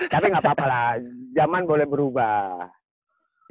tapi nggak apa apa lah zaman boleh berubah